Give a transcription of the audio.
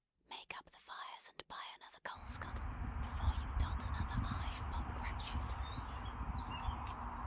Make up the fires, and buy another coal scuttle before you dot another i, Bob Cratchit!"